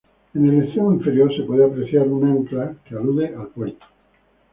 En el extremo inferior se puede apreciar un ancla que alude al puerto.